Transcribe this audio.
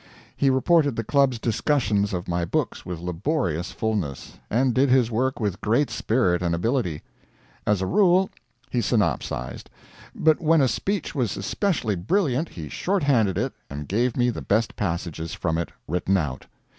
He reported the Club's discussions of my books with laborious fullness, and did his work with great spirit and ability. As a, rule, he synopsized; but when a speech was especially brilliant, he short handed it and gave me the best passages from it, written out.